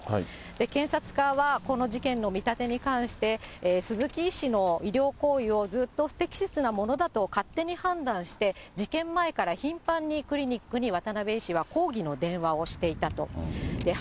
検察側は、この事件の見立てに関して、鈴木医師の医療行為をずっと不適切なものだと勝手に判断して、事件前から頻繁にクリニックに、抗議の電話をしていたと。